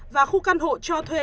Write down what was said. và khu căn hộ cho thuê